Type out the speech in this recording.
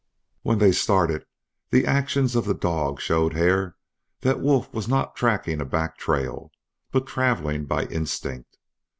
When they started the actions of the dog showed Hare that Wolf was not tracking a back trail, but travelling by instinct.